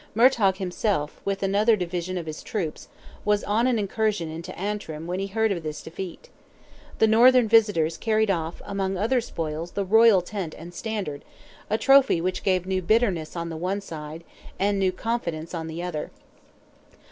Murtogh himself, with another division of his troops, was on an incursion into Antrim when he heard of this defeat. The northern visitors carried off among other spoils the royal tent and standard, a trophy which gave new bitterness on the one side, and new confidence on the other.